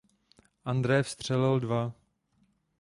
André vstřelil dva.